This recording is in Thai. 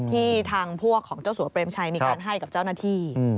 ที่ทางพวกของเจ้าสัวเปรมชัยมีการให้กับเจ้าหน้าที่